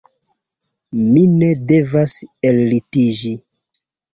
Mi ne devas ellitiĝi.«